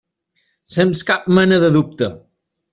Sense cap mena de dubte.